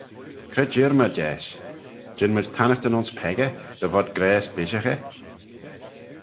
Cre jir mayd eisht? jean mayd tannaghtyn ayns peccah, dy vod grayse bishaghey?